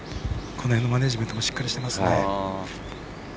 この辺のマネジメントもしっかりしてますね。